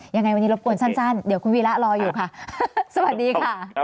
ยังไงวันนี้รบกวนสั้นเดี๋ยวคุณวีระรออยู่ค่ะสวัสดีค่ะ